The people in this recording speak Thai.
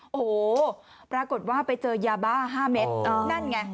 โอ้โหปรากฏว่าไปเจอยาบ้า๕เม็ดนั่นไง